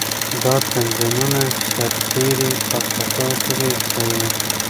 دا تمرینونه سرتېري په قطعاتو کې کوي.